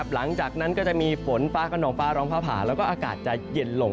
หลังจากนั้นก็จะมีฝนฟ้ากระนองฟ้าร้องฟ้าผ่าแล้วก็อากาศจะเย็นลง